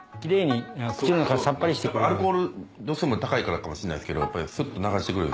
アルコール度数も高いからかもしれないですけどやっぱりスッと流してくれる。